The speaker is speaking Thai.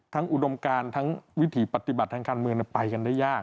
อุดมการทั้งวิถีปฏิบัติทางการเมืองไปกันได้ยาก